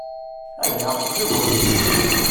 Ayya, ɣiwel!